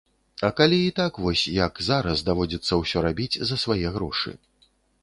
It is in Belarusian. А калі і так вось, як зараз, даводзіцца ўсё рабіць за свае грошы.